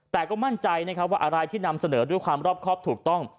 แต่ก็มั่นใจนะครับว่าอะไรที่นำเสนอด้วยความรอบครอบถูกต้อง